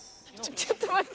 ちょっと待って。